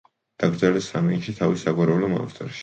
დაკრძალეს სანაინში, თავის საგვარეულო მონასტერში.